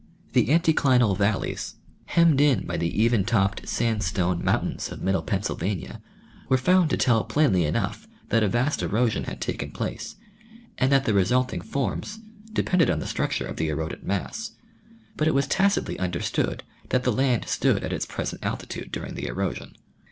The anticlinal valleys, hemmed in by the even topped sandstone mountains of middle Pennsylvania, were found to tell plainly enough that a vast erosion had taken place, and that the resulting forms depended on the structure of the eroded mass, but it was tacitly understood that the land stood at its present altitude during the erosion.